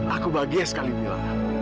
aku bahagia sekali mila